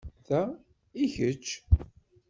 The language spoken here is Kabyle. Ta i kečč.